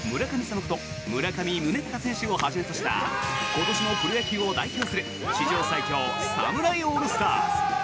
こと村上宗隆選手をはじめとした今年のプロ野球を代表する史上最強・侍オールスターズ。